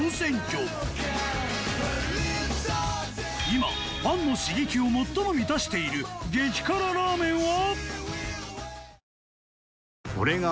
今ファンの刺激を最も満たしている激辛ラーメンは？